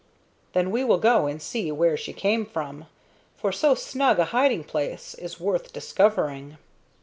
"Then we will go and see where she came from, for so snug a hiding place is worth discovering."